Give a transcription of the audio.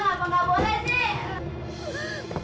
ngapa nggak boleh sih